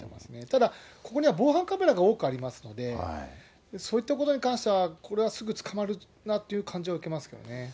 ただ、ここには防犯カメラが多くありますので、そういったことに関しては、これはすぐ捕まるなっていう感じは受けますけどね。